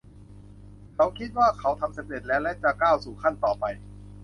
เขาคิดว่าเขาทำสำเร็จแล้ว และจะก้าวสู่ขั้นต่อไป